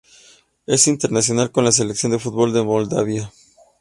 Es internacional con la selección de fútbol de Moldavia.